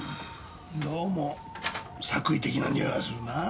どうも作為的なにおいがするなあ。